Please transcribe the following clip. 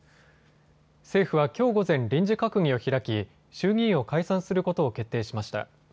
政府はきょう午前、臨時閣議を開き、衆議院を解散することを決定しました。